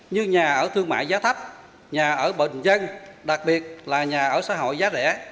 như nhà ở thương mại giá thấp nhà ở bệnh dân đặc biệt là nhà ở xã hội giá rẻ